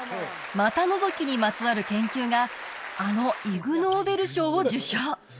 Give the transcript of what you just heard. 股のぞきにまつわる研究があのイグノーベル賞を受賞